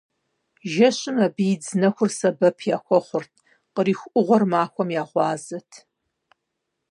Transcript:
Жэщым абы идз нэхур сэбэп яхуэхъурт, къриху Ӏугъуэр махуэм я гъуазэт.